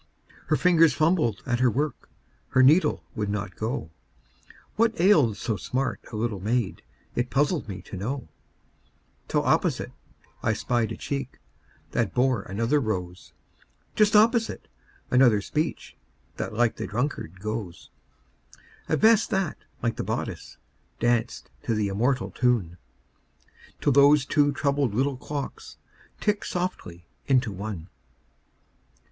Her fingers fumbled at her work, Her needle would not go; What ailed so smart a little maid It puzzled me to know, Till opposite I spied a cheek That bore another rose; Just opposite, another speech That like the drunkard goes; A vest that, like the bodice, danced To the immortal tune, Till those two troubled little clocks Ticked softly into one.